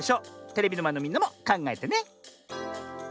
テレビのまえのみんなもかんがえてね。